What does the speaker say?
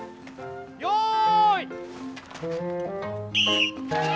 よい。